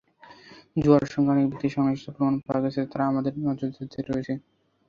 জুয়ার সঙ্গে অনেক ব্যক্তির সংশ্লিষ্টতার প্রমাণ পাওয়া গেছে, তাঁরা আমাদের নজরদারিতে রয়েছে।